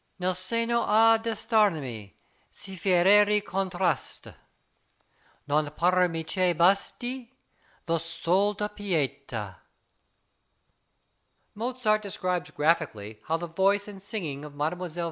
Nel seno a destarmi Si fieri contrast! Non parmi che basti La sola pietà. Mozart describes graphically how the voice and singing of Mdlle.